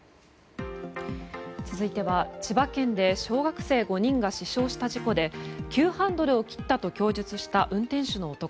続いては千葉県で小学生５人が死傷した事故で急ハンドルを切ったと供述した運転手の男。